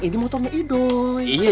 ini bukan motor kamu